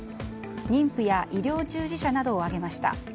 妊婦や医療従事者などを挙げました。